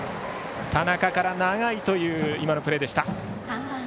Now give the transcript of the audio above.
田中から永井という今のプレーでした。